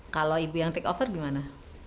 kalau ibu yang take over gimana